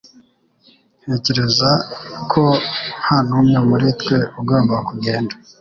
Ntekereza ko nta n'umwe muri twe ugomba kugenda